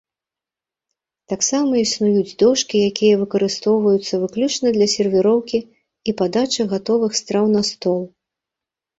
Таксама існуюць дошкі, якія выкарыстоўваюцца выключна для сервіроўкі і падачы гатовых страў на стол.